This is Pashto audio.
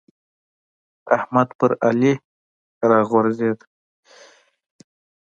احمد پر علي راغورځېد.